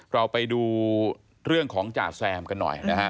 เราไปดูเรื่องของจ่าแซมกันหน่อยนะฮะ